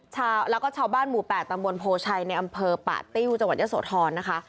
แล้วก็ชาวบ้านหมู่๘ตำบลโพชัยในอำเภอป่าติ้วจังหวัดยะโสธรนะคะ